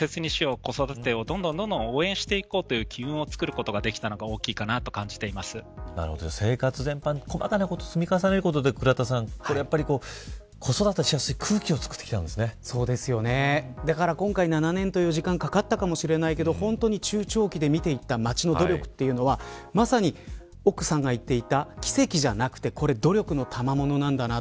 子育てをどんどん応援していこうという機運を作ることが生活全般、細かなことを積み重ねることで子育てしやすい空気をだから、今回７年という時間がかかったかもしれないけど中長期で見ていった町の努力はまさに奥さんが言っていた奇跡じゃなくて努力のたまものなんだなと。